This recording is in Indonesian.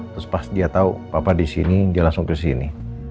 terus pas dia tahu papa di sini dia langsung ke sini